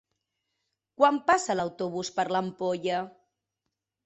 Quan passa l'autobús per l'Ampolla?